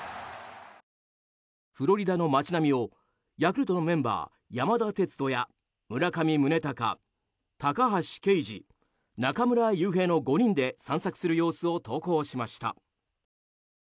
フロリダの街並みをヤクルトのメンバー、山田哲人や村上宗隆、高橋奎二中村悠平の５人で散策する様子を投稿しました。